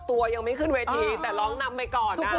ตัวยังไม่ขึ้นเวทีแต่ร้องนำไปก่อนนะ